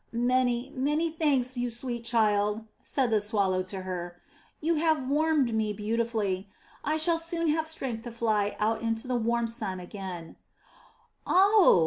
''Many, many thanks, you sweet child,*' said the Swallow to her; ''you have warmed me beautifully. I shall soon have strength to fly out into the warm sun again/' "Oh!"